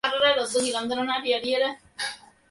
তুমি বুঝতে পারছো না।